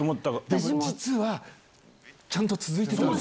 でも実は、ちゃんと続いてたんだ。